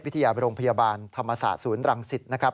วิทยาโรงพยาบาลธรรมศาสตร์ศูนย์รังศิษฐ์นะครับ